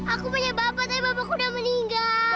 aku punya bapak tapi bapakku udah meninggal